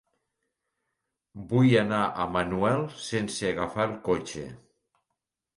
Vull anar a Manuel sense agafar el cotxe.